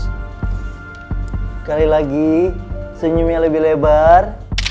sekali lagi senyumnya lebih lebar